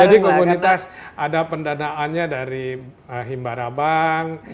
jadi komunitas ada pendanaannya dari himbarabang